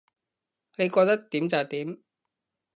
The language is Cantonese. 你覺得點就點